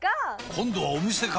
今度はお店か！